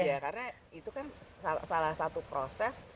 iya karena itu kan salah satu proses